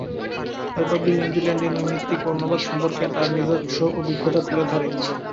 অ্যালবামটি নিউজিল্যান্ডে নৈমিত্তিক বর্ণবাদ সম্পর্কে তার নিজস্ব অভিজ্ঞতা তুলে ধরে।